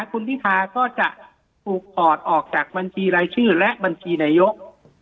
คุณพิธาก็จะถูกถอดออกจากบัญชีรายชื่อและบัญชีนายก